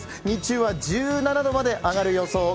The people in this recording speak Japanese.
日中は１７度まで上がる予想